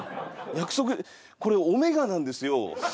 約束これオメガなんですよ